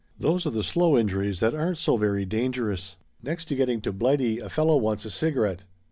Those are the slow injuries that aren't so very dangerous. "Next to getting to Blighty a fellow wants a cigarette.